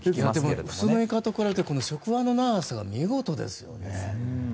でも普通のイカと比べて触腕の長さが見事ですよね。